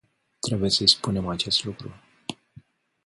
Trebuie să îi spunem acest lucru.